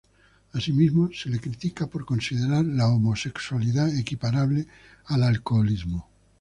Asimismo se le critica por considerar la homosexualidad equiparable al alcoholismo.